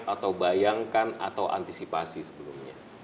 atau bayangkan atau antisipasi sebelumnya